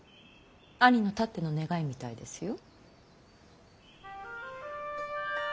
兄のたっての願いみたいですよ。